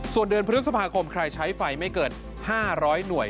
ส่วนเดือนพฤษภาคมใครใช้ไฟไม่เกิน๕๐๐หน่วย